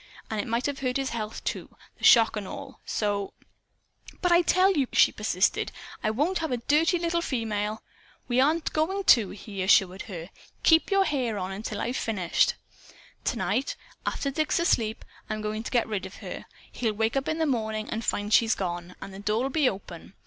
And it might have hurt his health too the shock and all. So " "But I tell you," she persisted, "I won't have a dirty little female " "We aren't going to," he assured her. "Keep your hair on, till I've finished. Tonight, after Dick's asleep, I'm going to get rid of her. He'll wake up in the morning and find she's gone; and the door'll be open.